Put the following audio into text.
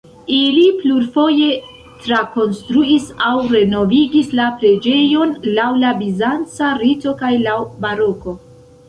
Ili plurfoje trakonstruis aŭ renovigis la preĝejon laŭ la bizanca rito kaj laŭ baroko.